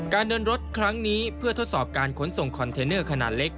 เดินรถครั้งนี้เพื่อทดสอบการขนส่งคอนเทนเนอร์ขนาดเล็ก